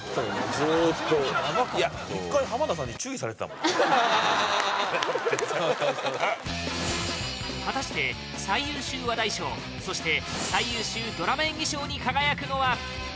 ずーっと１回浜田さんに注意されてたもんな果たして最優秀話題賞そして最優秀ドラマ演技賞に輝くのは？